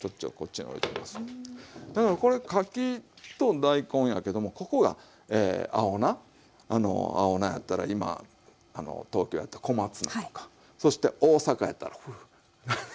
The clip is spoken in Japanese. なのでこれかきと大根やけどもここが青菜あの青菜やったら今東京やったら小松菜とかそして大阪やったらフフ。